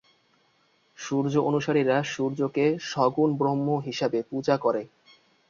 সূর্য অনুসারীরা সূর্যকে সগুণ ব্রহ্ম হিসেবে পূজা করে।